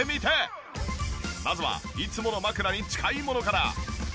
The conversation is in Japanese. まずはいつもの枕に近いものから。